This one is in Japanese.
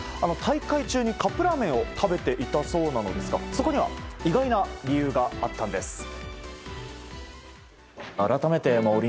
大会中にカップラーメンを食べていたそうなんですがそこには意外な理由があったんです。